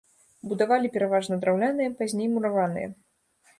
Будавалі пераважна драўляныя, пазней мураваныя.